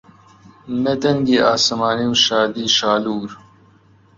نە دەنگی ئاسمانی و شادیی شالوور